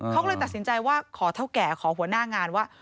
เขาเลยตัดสินใจว่าขอเท่าแก่ขอหัวหน้างานว่า